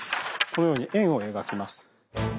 このように円を描きます。